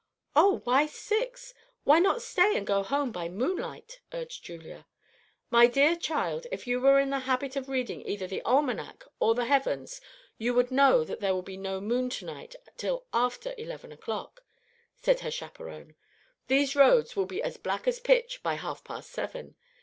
"Oh, why six? why not stay and go home by moonlight?" urged Julia. "My dear child, if you were in the habit of reading either the almanac or the heavens, you would know that there will be no moon to night till after eleven o'clock," said her chaperone. "These roads will be as black as pitch by half past seven.